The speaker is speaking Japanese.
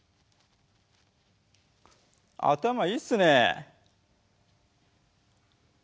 頭いいっすね！